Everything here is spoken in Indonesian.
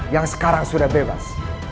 yang sekarang sudah bebas